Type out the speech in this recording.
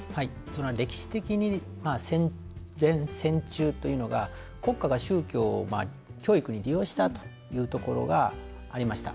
歴史的に戦前、戦中というのが国家が宗教を教育に利用したというところがありました。